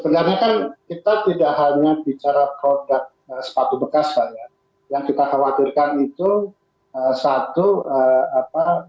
ya sebenarnya kan kita tidak hanya bicara produk sepatu bekas pak